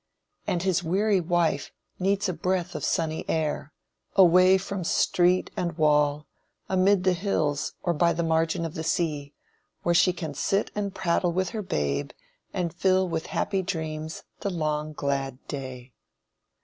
And his weary wife needs a breath of sunny air, away from street and wall, amid the hills or by the margin of the sea, where she can sit and prattle with her babe, and fill with happy dreams the long, glad day.